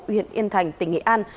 huyện yên thành tỉnh nghệ an